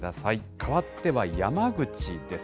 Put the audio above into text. かわっては山口です。